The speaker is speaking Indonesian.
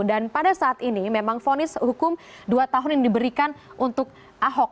dan pada saat ini memang fonis hukum dua tahun yang diberikan untuk ahok